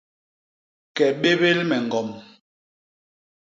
Ke bébél me ñgom.